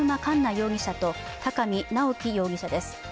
容疑者と高見直輝容疑者です。